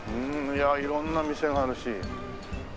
いやあ色んな店があるし。